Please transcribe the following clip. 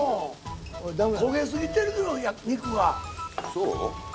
そう？